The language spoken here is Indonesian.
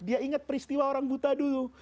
dia ingat peristiwa orang buta dulu